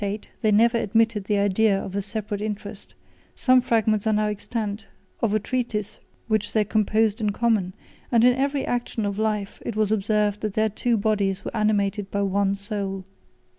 In the enjoyment of a great estate, they never admitted the idea of a separate interest: some fragments are now extant of a treatise which they composed in common; 152 and in every action of life it was observed that their two bodies were animated by one soul.